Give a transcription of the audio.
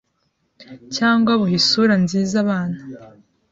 cyangwa buha isura nziza abana